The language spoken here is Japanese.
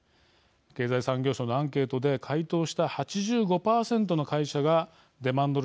経済産業省のアンケートで回答した８５％の会社がデマンド